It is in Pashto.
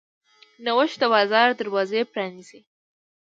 نوښت د بازار دروازې پرانیزي.